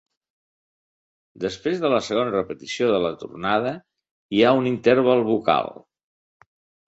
Després de la segona repetició de la tornada, hi ha un interval vocal.